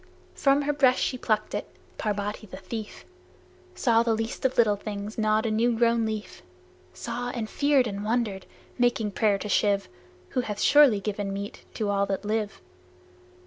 From her breast she plucked it, Parbati the thief, Saw the Least of Little Things gnawed a new grown leaf! Saw and feared and wondered, making prayer to Shiv, Who hath surely given meat to all that live.